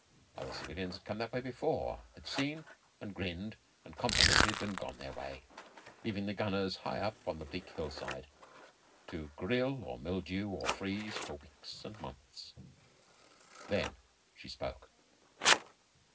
Other civilians had come that way before had seen, and grinned, and complimented and gone their way, leaving the gunners high up on the bleak hillside to grill or mildew or freeze for weeks and months. Then she spoke.